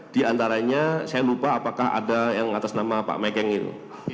di antaranya saya lupa apakah ada yang atas nama pak mekeng itu